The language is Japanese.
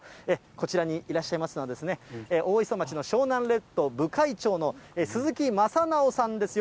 こちらにいらっしゃいますのは、大磯町の湘南レッド部会長の鈴木正直さんです。